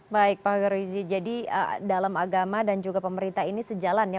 baik pak garuizi jadi dalam agama dan juga pemerintah ini sejalan ya